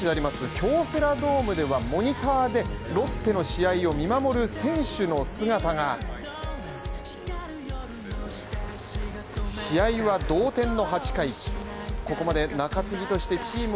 京セラドームではモニターでロッテの試合を見守る選手の姿が全員で頂点へ。